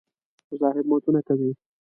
مزاحمتونه کوي.